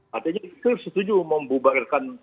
hti nya setuju membubarirkan